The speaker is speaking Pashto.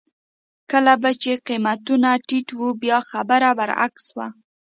کله به چې قېمتونه ټیټ وو بیا خبره برعکس وه.